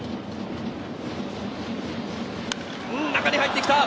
中に入ってきた。